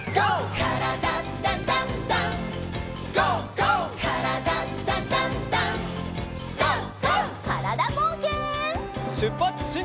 からだぼうけん。